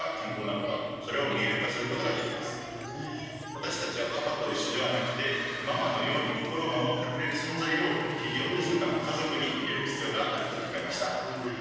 私たちはパパと一緒ではなくてママのように心を守ってくれる存在を企業ですとか家族に入れる必要があると考えました。